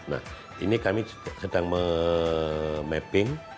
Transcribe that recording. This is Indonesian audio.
nah ini kami sedang memapping